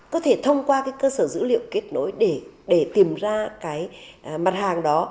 có thể thông qua cơ sở dữ liệu kết nối để tìm ra mặt hàng đó